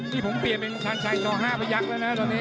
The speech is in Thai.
นี่ผมเปลี่ยนเป็นชัญชายชอห้าพยักษ์เลยนะครับตอนนี้